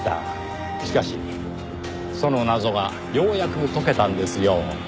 しかしその謎がようやく解けたんですよ。